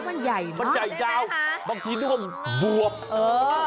มันใหญ่มากใช่ไหมคะบางทีนึกว่าบวกเออ